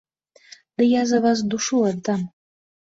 Ды я за вас душу аддам!